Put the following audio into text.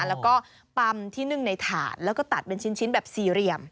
แล้วก็ปั๊มที่นึ่งในถาดแล้วก็ตัดเป็นชิ้นแบบสี่เหลี่ยม